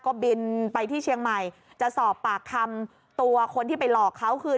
ก็บินไปที่เชียงใหม่จะสอบปากคำตัวคนที่ไปหลอกเขาคือ